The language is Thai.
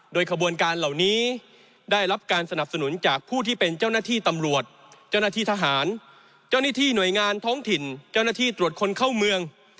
โดยขบวนการเหล่านี้ได้รับการสนับสนุนจากผู้ที่เป็นเจ้าหน้าที่ตำรวจเจ้าหน้าที่ทหารเจ้าหน้าที่หน่วยงานท้องถิ่นเจ้าหน้าที่ตรวจคนเข้าเมือง